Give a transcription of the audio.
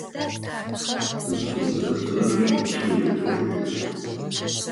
Зыцу зэптырэм цуитӏу еӏожьы.